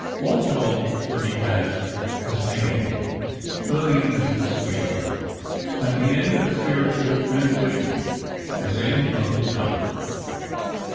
Walthall would be cast as Payne, Lillian as his sweetheart; at the end, a spiritual transition, as in "Uncle Tom."